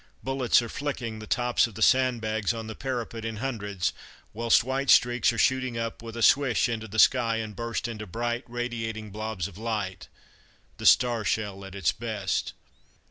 Bullets are flicking the tops of the sandbags on the parapet in hundreds, whilst white streaks are shooting up with a swish into the sky and burst into bright radiating blobs of light the star shell at its best.